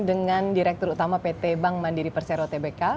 dengan direktur utama pt bank mandiri persero tbk